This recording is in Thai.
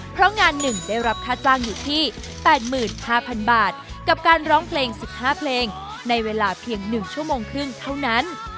เพราะงาน๑ได้รับค่าจ้างอยู่ที่๘๕๐๐๐บาทกับการร้องเพลง๑๕เพลงในเวลาเพียง๑ชั่วโมงครึ่งเท่านั้น